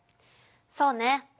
そうね。